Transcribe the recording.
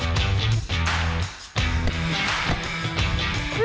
อ้าว